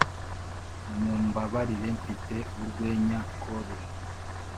mumbabarire mfite urwenya corny.